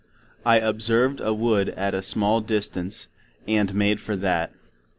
I observed a Wood at a Small distance, and made for that.